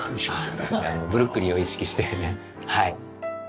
ブルックリンを意識してはい。